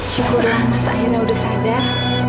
cukup dengan mas ayani sudah sadar